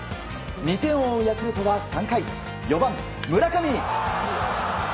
２点を追うヤクルトは３回４番、村上。